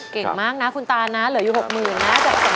เก่งมากนะคุณตานะเหลืออยู่๖๐๐๐นะ